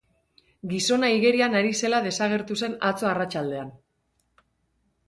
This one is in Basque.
Gizona igerian ari zela desagertu zen atzo arratsaldean.